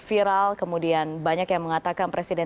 kalau diajak tidak boleh takut